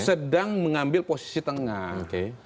sedang mengambil posisi tengah